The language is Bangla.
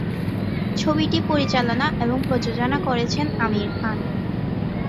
ছবিটি পরিচালনা এবং প্রযোজনা করেছেন আমির খান।